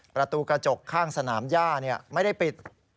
ประตูกระจกข้างสนามย่าไม่ได้ปิด